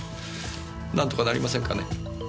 なんとかなりませんかね？